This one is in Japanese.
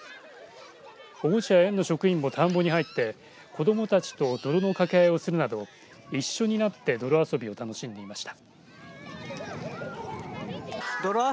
保護者や園の職員も田んぼに入って子どもたちと泥のかけ合いをするなど一緒になって泥遊びを楽しんでいました。